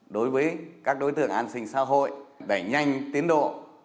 đối với các đối tượng an sinh xã hội đẩy nhanh tiến độ